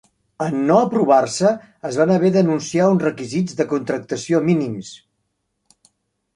En no aprovar-se, es van haver d'anunciar uns requisits de contractació mínims.